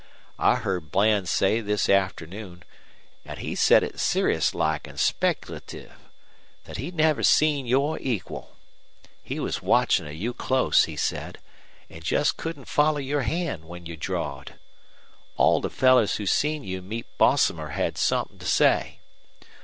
I heard Bland say this afternoon an' he said it serious like an' speculative thet he'd never seen your equal. He was watchin' of you close, he said, an' just couldn't follow your hand when you drawed. All the fellers who seen you meet Bosomer had somethin' to say.